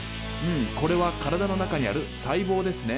これは体の中にある細胞ですね。